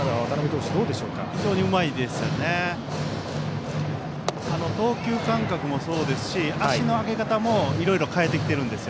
投球間隔もそうですし足の上げ方もいろいろ変えてきています。